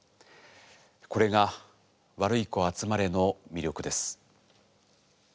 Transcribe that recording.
これが「ワルイコあつまれ」の魅力です。